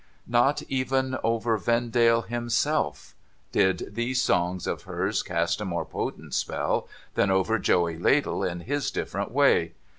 Not even over Vendale himself did these songs of hers cast a more potent spell than over Joey Ladle in his different way.